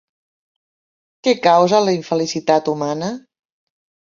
Què causa la infelicitat humana?